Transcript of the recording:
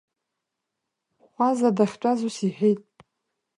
Хәаза дахьтәаз ус иҳәеит…